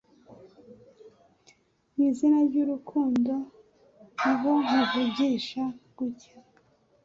mu izina ryurukundo niho nkuvugisha gutya